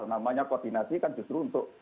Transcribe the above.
namanya koordinasi kan justru untuk